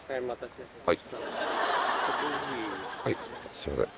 すみません。